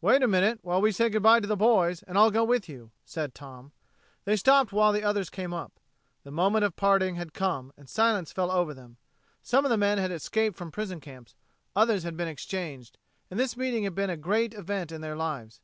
"Wait a minute while we say good by to the boys, and I'll go with you," said Tom. They stopped while the others came up. The moment of parting had come, and silence fell over them. Some of the men had escaped from prison camps, others had been exchanged, and this meeting had been a great event in their lives.